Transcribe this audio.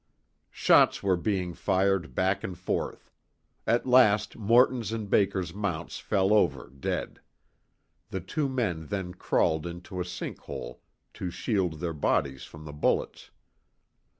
Shots were being fired back and forth. At last Morton's and Baker's mounts fell over dead. The two men then crawled into a sink hole to shield their bodies from the bullets.